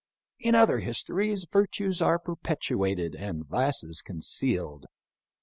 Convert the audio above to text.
In other his tories virtues are perpetuated and vices concealed.